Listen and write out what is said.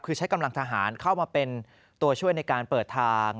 คือใช้กำลังทหารเข้ามาเป็นตัวช่วยในการเปิดทาง